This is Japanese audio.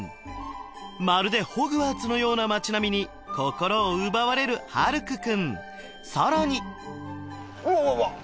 まるでホグワーツのような街並みに心を奪われる晴空君さらにうわうわうわっ！